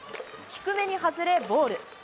低めに外れ、ボール。